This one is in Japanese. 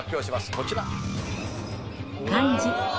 こちら。